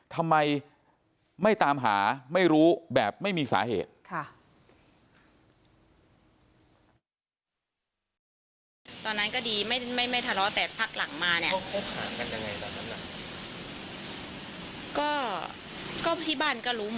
ทำไมไม่ตามหาไม่รู้แบบไม่มีสาเหตุ